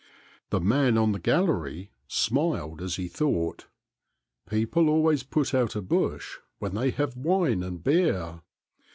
The man on the gallery smiled as he thought, People always put out a bush when they have wine and beer."